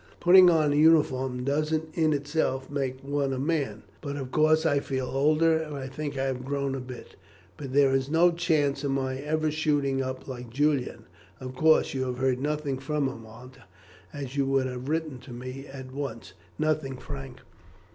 Putting on uniform doesn't in itself make one a man; but of course I feel older, and I think I have grown a bit. But there is no chance of my ever shooting up like Julian. Of course, you have heard nothing from him, Aunt, or you would have written to me at once!" "Nothing, Frank.